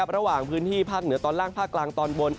ระหว่างพื้นที่ภาคเหนือตอนล่างภาคกลางตอนบน